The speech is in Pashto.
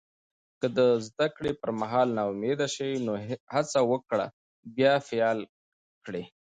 که د زده کړې پر مهال ناامید شې، نو هڅه وکړه بیا پیل کړې.